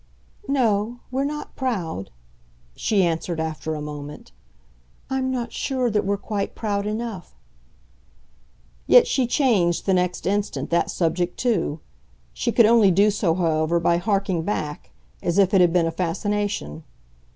"No, we're not proud," she answered after a moment. "I'm not sure that we're quite proud enough." Yet she changed the next instant that subject too. She could only do so, however, by harking back as if it had been a fascination.